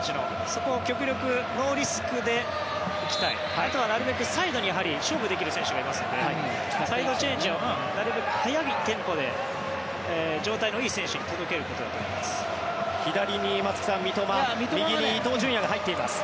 そこを極力ノーリスクで行きたいあとは、なるべくサイドに勝負できる選手がいますのでサイドチェンジをなるべく速いテンポで状態のいい選手に届けることだと思います。